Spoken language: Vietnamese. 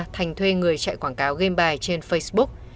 thành thuê người chạy quảng cáo game bài trên facebook